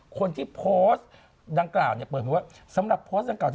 คนที่โพสต์ดังกล่าวเนี่ยสำหรับโพสต์ดังกล่าว